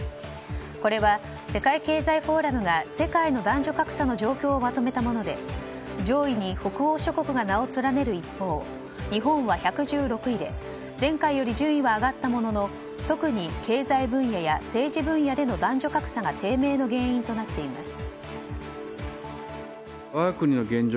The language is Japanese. これは世界経済フォーラムが世界の男女格差の状況をまとめたもので上位に北欧諸国が名を連ねる一方日本は１１６位で前回より順位は上がったものの特に経済分野や政治分野での男女格差が低迷の原因となっています。